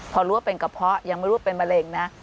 พอรู้ว่าเป็นกระเพาะยังไม่รู้ว่าเป็นมะเร็งนะ